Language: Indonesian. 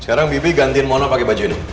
sekarang bibi gantiin mono pakai baju ini